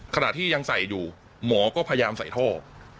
ขณะที่ยังใส่อยู่หมอก็พยายามใส่ท่อ